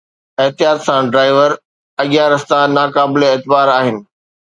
احتياط سان ڊرائيو! اڳيان رستا ناقابل اعتبار آهن.